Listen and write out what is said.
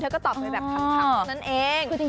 ก็ตอบไปแบบคำเท่านั้นเอง